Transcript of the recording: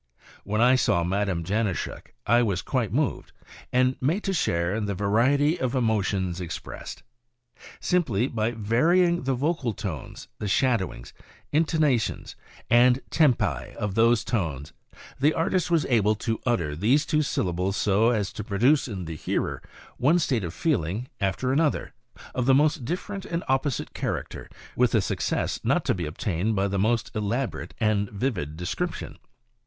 When I saw Madame Janauschek I was quite moved, and made to share in the variety of emotions expressed. Simply by varying the vocal tones, the shadowings, intonations and tempi AND YOCAL ILLUSIONS. 31 of those tones, the artist was able to utter these two syllables so as to produce in the hearer one state of feeling after another, of the mo^t different and opposite character, with a success not to be obtained by the most elaborate and vivid description.